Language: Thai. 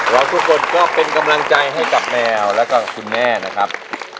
แล้วทุกคนก็เป็นกำลังใจให้กับแมวแล้วก็คุณแม่นะครับ